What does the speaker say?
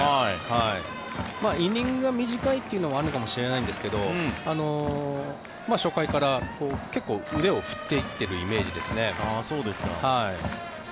イニングが短いというのはあるのかもしれないんですけど初回から結構腕を振っていってるイメージですね。